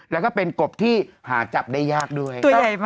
แล้วก็เป็นกบที่หาจับได้ยากด้วย